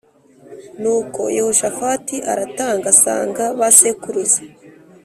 Nuko Yehoshafati aratanga asanga ba sekuruza